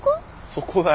そこだよ。